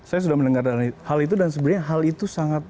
saya sudah mendengar hal itu dan sebenarnya hal itu sangat